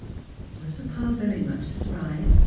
" Was papa very much surprised